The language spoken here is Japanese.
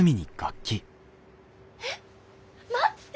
えっ待って！